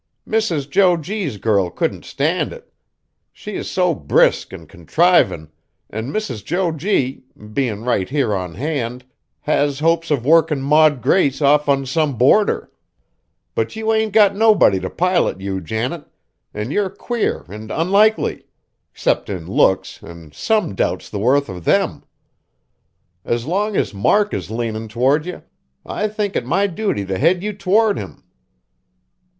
Mrs. Jo G.'s girl couldn't stand it. She is so brisk an' contrivin', an' Mrs. Jo G., being right here on hand, has hopes of workin' Maud Grace off on some boarder; but you ain't got nobody t' pilot you, Janet, an' you're queer an' unlikely, 'cept in looks, an' some doubts the worth of them! As long as Mark is leanin' toward you, I think it my duty to head you toward him."